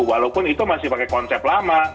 walaupun itu masih pakai konsep lama